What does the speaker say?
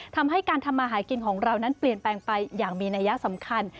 ทำให้การทำมาหากินของเรานั้นเปลี่ยนแปลงไปอย่างมีนัยสำคัญ